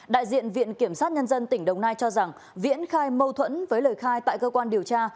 đại diện viện kiểm sát nhân dân tỉnh đồng nai cho rằng viễn khai mâu thuẫn với lời khai tại cơ quan điều tra